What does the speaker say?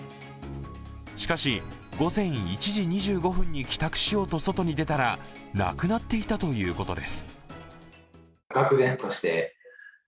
しかし、午前１時２５分に帰宅しようと外に出たらなくなっていたということです。